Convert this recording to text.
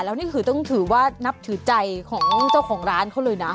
แล้วนี่คือต้องถือว่านับถือใจของเจ้าของร้านเขาเลยนะ